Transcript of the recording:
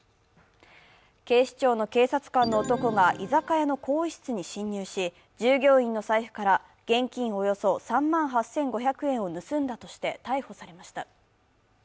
警視庁の警察官の男が居酒屋の更衣室に侵入し、従業員の財布から現金およそ３万８５００円を盗んだとして逮捕されました。